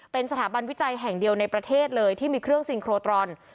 เป็นสถาบันวิจัยแห่งเดียวในประเทศเลยที่มีเครื่องซิงโครตรอน